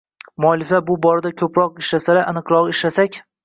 Mualliflar bu borada ko‘proq ishlasalar, aniqrog‘i, ishlasak